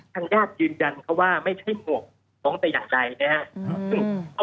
ทางญาติยืนยันเขาว่าไม่ใช่หมวกฟ้องแต่อย่างใดนะครับ